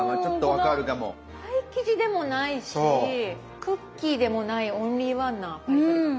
パイ生地でもないしクッキーでもないオンリーワンなパリパリ感。